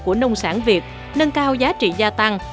của nông sản việt nâng cao giá trị gia tăng